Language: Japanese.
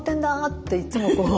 っていつもこう。